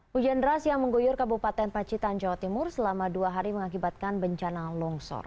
hujan deras yang mengguyur kabupaten pacitan jawa timur selama dua hari mengakibatkan bencana longsor